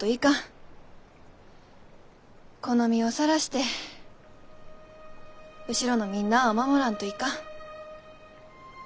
この身をさらして後ろのみんなあを守らんといかん。